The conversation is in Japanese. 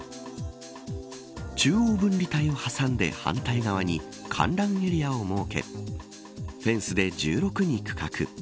中央分離帯を挟んで反対側に観覧エリアを設けフェンスで１６に区画。